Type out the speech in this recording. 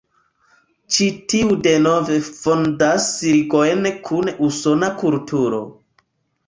Ĉi tiu denove fondas ligojn kun Usona kulturo.